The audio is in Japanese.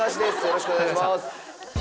よろしくお願いします。